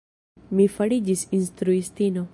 Mi fariĝis instruistino.